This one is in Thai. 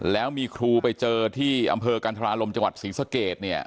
แล้วมีครูไปเจอที่อำเภอกันธรารมจังหวัดศรีสะเกดเนี่ย